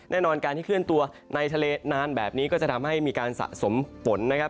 แน่นอนการที่เคลื่อนตัวในทะเลนานแบบนี้ก็จะทำให้มีการสะสมฝนนะครับ